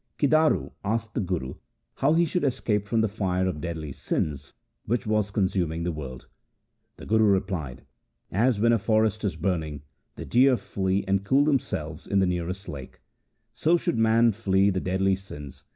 Kidaru asked the Guru how he should escape from the fire of the deadly sins which was consuming the world. The Guru replied, ' As when a forest is burning the deer flee and cool themselves in the 1 An account of this saint will subsequently be given.